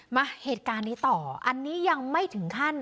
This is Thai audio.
มาเหตุการณ์นี้ต่ออันนี้ยังไม่ถึงขั้น